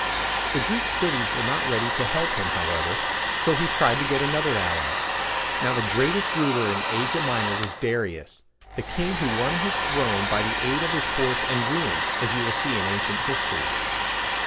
The Greek cities were not ready to help him, however, so he tried to get another ally. Now, the greatest ruler in Asia Minor was Da ri´us, the king who won his throne by the aid of his horse and groom, as you will see in ancient history.